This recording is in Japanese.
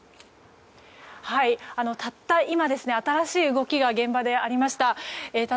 たった今、新しい動きが現場でありました。